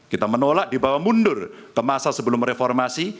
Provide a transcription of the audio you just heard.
kita menolak dibawa mundur ke masa sebelum reformasi